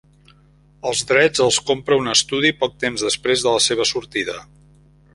Els drets els compra un estudi poc temps després de la seva sortida.